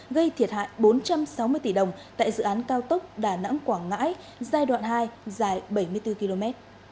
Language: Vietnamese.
gây thiệt hại bốn trăm sáu mươi tỷ đồng tại dự án cao tốc đà nẵng quảng ngãi giai đoạn hai dài bảy mươi bốn km